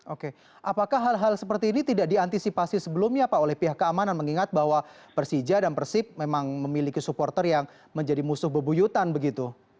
oke apakah hal hal seperti ini tidak diantisipasi sebelumnya pak oleh pihak keamanan mengingat bahwa persija dan persib memang memiliki supporter yang menjadi musuh bebuyutan begitu